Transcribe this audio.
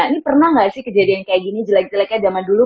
ini pernah nggak sih kejadian kayak gini jelek jeleknya zaman dulu